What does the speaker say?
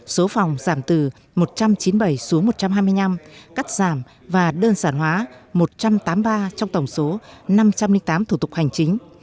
số phòng giảm từ một trăm chín mươi bảy xuống một trăm hai mươi năm cắt giảm và đơn giản hóa một trăm tám mươi ba trong tổng số năm trăm linh tám thủ tục hành chính